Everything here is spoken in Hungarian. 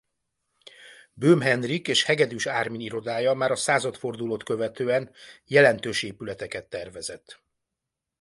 Böhm Henrik és Hegedüs Ármin irodája már a századfordulót követően jelentős épületeket tervezett.